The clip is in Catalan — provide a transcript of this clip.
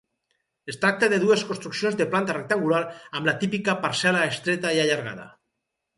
Es tracta de dues construccions de planta rectangular, amb la típica parcel·la estreta i allargada.